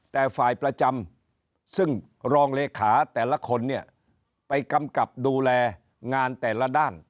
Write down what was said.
แต่ฝ่ายประจำซึ่งรองเลขาแต่ละคนเนี่ยไปกำกับดูแลงานแต่ละด้าน